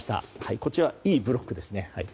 こちらは、いいブロックですね。